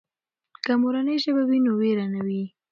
که مورنۍ ژبه وي نو وېره نه وي.